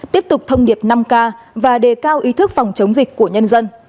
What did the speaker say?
tiếp tục thông điệp năm k và đề cao ý thức phòng chống dịch của nhân dân